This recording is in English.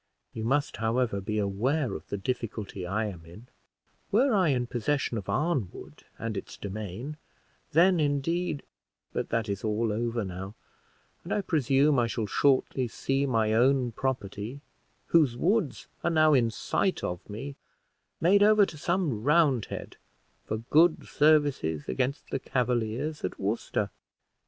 You must, however, be aware of the difficulty I am in: were I in possession of Arnwood and its domain, then indeed but that is all over now, and I presume I shall shortly see my own property, whose woods are now in sight of me, made over to some Roundhead, for good services against the Cavaliers at Worcester."